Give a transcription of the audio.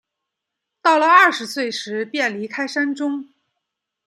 到了二十岁时便离开山中。